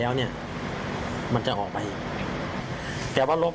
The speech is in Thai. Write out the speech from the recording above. แล้วทำท่าเหมือนลบรถหนีไปเลย